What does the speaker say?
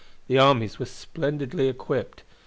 The armies were splendidly equipped.